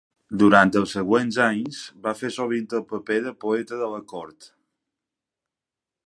Durant els següents anys va fer sovint el paper de poeta de la cort.